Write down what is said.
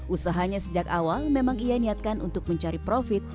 usahanya sejak awal memang ia niatkan untuk mencari profit